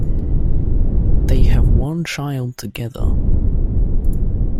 They have one child together.